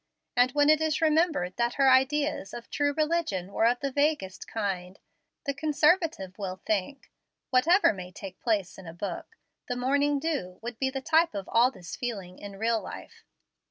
And when it is remembered that her ideas of true religion were of the vaguest kind, the conservative will think, "Whatever may take place in a book, the morning dew would be the type of all this feeling in real life."